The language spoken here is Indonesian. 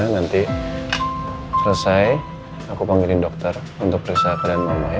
nanti selesai aku panggilin dokter untuk periksa keadaan mama ya